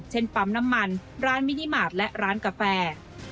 ปั๊มน้ำมันร้านมินิมาตรและร้านกาแฟ